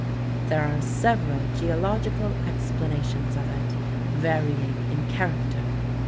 There are several geological explanations of it, varying in character.